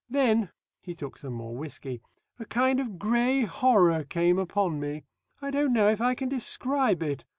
Then " He took some more whisky. "A kind of grey horror came upon me. I don't know if I can describe it.